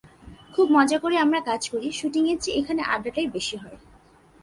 খুব মজা করে আমরা কাজ করি, শুটিংয়ের চেয়ে এখানে আড্ডাটাই বেশি হয়।